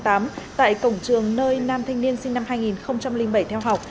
tại cổng trường nơi nam thanh niên sinh năm hai nghìn bảy theo học